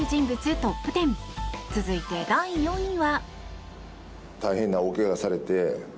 トップ１０続いて第４位は。